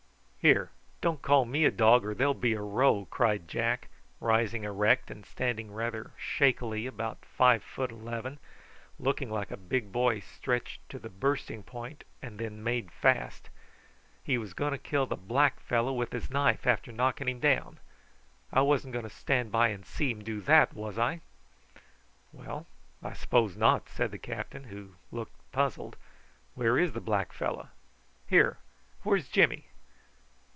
"Here, don't you call me a dog or there'll be a row," cried Jack, rising erect and standing rather shakily about five feet eleven, looking like a big boy stretched to the bursting point and then made fast. "He was going to kill the black fellow with his knife after knocking him down. I wasn't going to stand by and see him do that, was I?" "Well, I s'pose not," said the captain, who looked puzzled. "Where is the black fellow? Here, where's Jimmy?"